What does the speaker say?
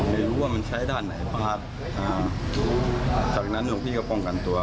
ไม่รู้ว่ามันใช้ด้านไหนพาดอ่าจากนั้นถุงพี่ก็วงกันตัว